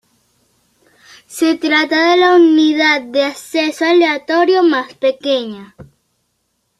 Se trata de la unidad de acceso aleatorio más pequeña.